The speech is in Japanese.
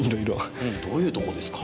竹田：どういうところですか？